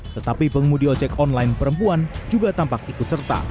tetapi pengemudi ojek online perempuan juga tampak ikut serta